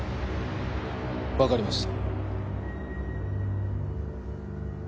わかりました。